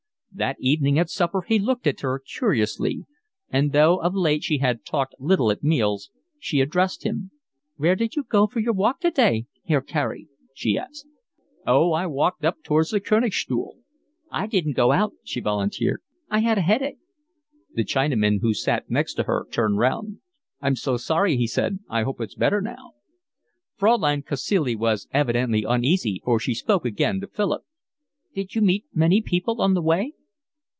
That evening at supper he looked at her curiously; and, though of late she had talked little at meals, she addressed him. "Where did you go for your walk today, Herr Carey?" she asked. "Oh, I walked up towards the Konigstuhl." "I didn't go out," she volunteered. "I had a headache." The Chinaman, who sat next to her, turned round. "I'm so sorry," he said. "I hope it's better now." Fraulein Cacilie was evidently uneasy, for she spoke again to Philip. "Did you meet many people on the way?"